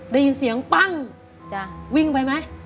ได้ยินเสียงปั้งวิ่งไปไหม